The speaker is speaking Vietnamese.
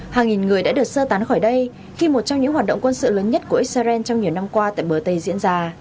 hàng nghìn người đã được sơ tán khỏi đây khi một trong những hoạt động quân sự lớn nhất của israel trong nhiều năm qua tại bờ tây diễn ra